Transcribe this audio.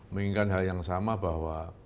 menginginkan hal yang sama bahwa